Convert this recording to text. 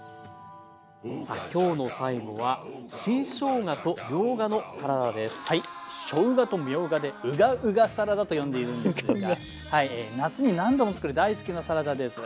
さあ今日の最後はしょうがとみょうがでうがうがサラダと呼んでいるんですが夏に何度も作る大好きなサラダです。